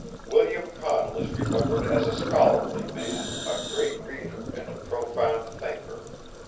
William Connell is remembered as a scholarly man. a great reader and a profound thinker.